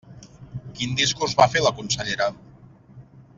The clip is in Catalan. Quin discurs va fer la consellera?